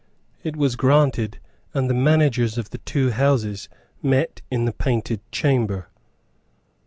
It was granted; and the managers of the two Houses met in the Painted Chamber.